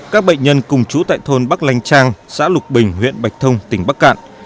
các bệnh nhân cùng chú tại thôn bắc lanh trang xã lục bình huyện bạch thông tỉnh bắc cạn